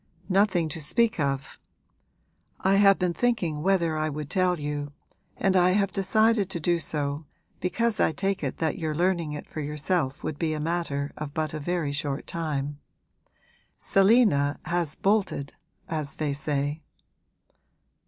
'Nothing to speak of! I have been thinking whether I would tell you, and I have decided to do so because I take it that your learning it for yourself would be a matter of but a very short time. Selina has bolted, as they say.'